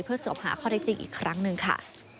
เพื่อสอบหาข้อได้จริงอีกครั้งหนึ่งค่ะ